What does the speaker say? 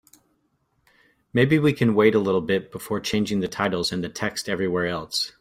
Maybe we can wait a little bit before changing the titles and the text everywhere else?